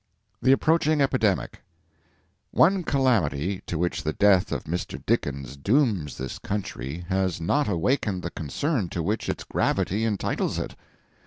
THE APPROACHING EPIDEMIC One calamity to which the death of Mr. Dickens dooms this country has not awakened the concern to which its gravity entitles it.